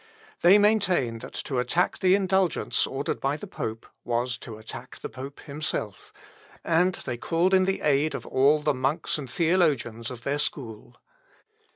They maintained that to attack the indulgence ordered by the pope was to attack the pope himself, and they called in the aid of all the monks and theologians of their school.